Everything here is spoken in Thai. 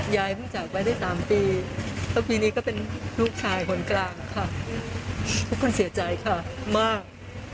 เพิ่งจากไปได้๓ปีแล้วปีนี้ก็เป็นลูกชายคนกลางค่ะทุกคนเสียใจค่ะมาก